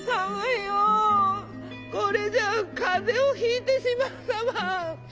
これじゃかぜをひいてしまうサマー。